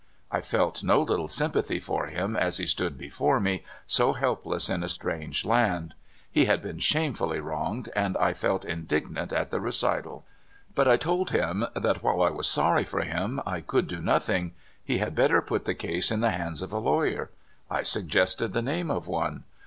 I felt no little sympathy for him as he stood before me, so helpless in a strange land. He had been shamefully wronged, and I felt indig nant at the recital. But I told him that while I was sorry for him, I could do nothing; he had bet ter put the case in the hands of a lawyer. I sug gested the name of one.